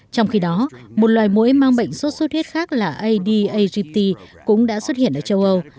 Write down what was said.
trong khi đó một loài mũi mang bệnh sốt sốt huyết khác là ad agt cũng đã xuất hiện ở châu âu